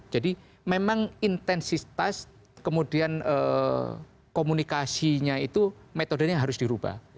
jadi memang intensitas kemudian komunikasinya itu metodenya harus dirubah